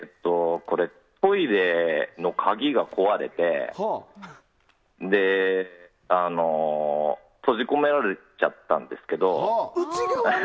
トイレの鍵が壊れて閉じ込められちゃったんですけど。